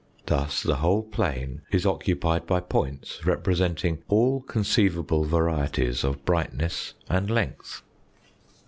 Thus the whole plane is occupied by points representing all conceivable varieties of brightness and length.